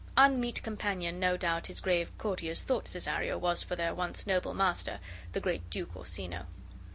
Unmeet companion no doubt his grave courtiers thought Cesario was for their once noble master, the great Duke Orsino.